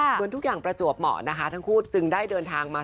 เหมือนทุกอย่างประจวบเหมาะนะคะทั้งคู่จึงได้เดินทางมา